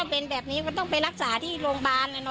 เป็นแบบนี้ก็ต้องไปรักษาที่โรงพยาบาล